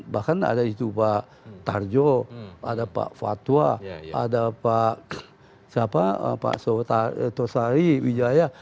bahkan ada pak tarjo pak fatwa pak tosari pak widjaya